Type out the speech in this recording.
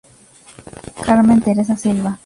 Carmen Teresa Silva.